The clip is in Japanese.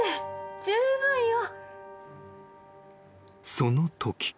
［そのとき］